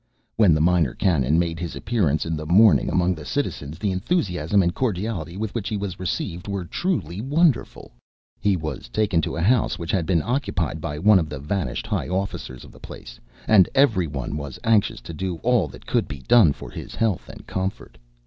When the Minor Canon made his appearance in the morning among the citizens, the enthusiasm and cordiality with which he was received were truly wonderful. He was taken to a house which had been occupied by one of the vanished high officers of the place, and every one was anxious to do all that could be done for his health and comfort.